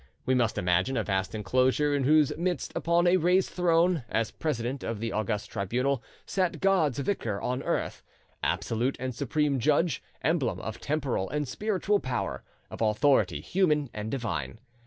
We must imagine a vast enclosure, in whose midst upon a raised throne, as president of the august tribunal, sat God's vicar on earth, absolute and supreme judge, emblem of temporal and spiritual power, of authority human and divine.